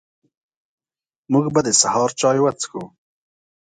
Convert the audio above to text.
موږ به د سهار چاي وڅښو